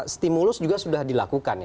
stimulus juga sudah dilakukan